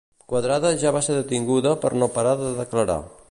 Quadrada ja va ser detinguda per no parar de declarar.